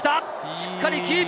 しっかりキープ。